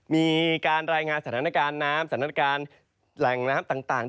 มีการรายงานสถานการณ์น้ำสถานการณ์แหล่งน้ำต่าง